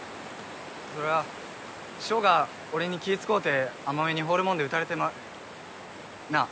それは翔が俺に気い使うて甘めに放るもんで打たれてまうなあ